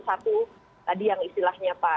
satu tadi yang istilahnya pak